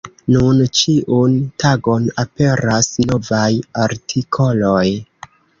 Nun ĉiun tagon aperas novaj artikoloj.